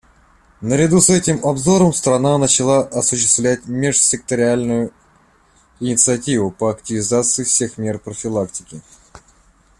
Наряду с этим обзором страна начала осуществлять межсекторальную инициативу по активизации всех мер профилактики.